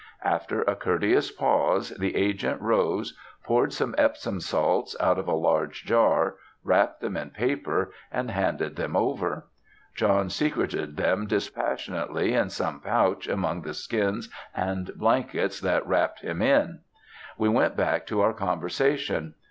After a courteous pause the agent rose, poured some Epsom salts out of a large jar, wrapped them in paper, and handed them over. John secreted them dispassionately in some pouch among the skins and blankets that wrapped him in. We went back to our conversation.